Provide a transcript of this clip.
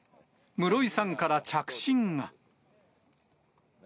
室井さんから着信が。